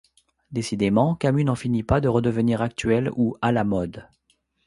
Décidément, Camus n'en finit pas de redevenir actuel ou 'à la mode'.